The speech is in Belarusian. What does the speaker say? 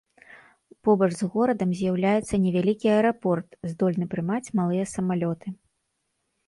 Побач з горадам з'яўляецца невялікі аэрапорт, здольны прымаць малыя самалёты.